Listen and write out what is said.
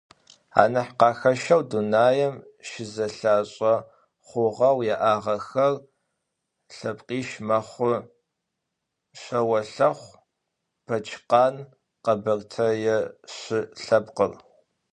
Анахь къахэщэу, дунаим щызэлъашӏэ хъугъэу яӏагъэхэр лъэпкъищ мэхъу: шъэолъэхъу, бэчкъан, къэбэртэе шы лъэпкъыр.